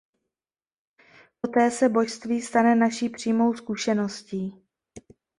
Poté se božství stane naší přímou zkušeností.